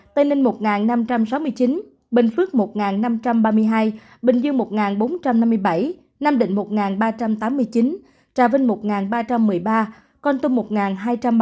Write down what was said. tây ninh một năm trăm sáu mươi chín bình phước một năm trăm ba mươi hai bình dương một bốn trăm năm mươi bảy nam định một ba trăm tám mươi chín trà vinh một ba trăm một mươi ba con tum một hai trăm ba mươi